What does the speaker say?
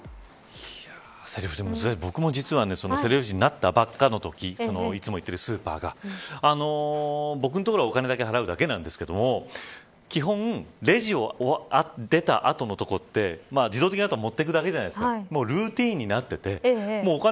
僕も実はセルフレジになったばっかりのときいつも行ってるスーパーが僕のところはお金だけ払うだけなんですけど基本、レジを出た後の所って自動的に後は持っていくだけじゃないですか。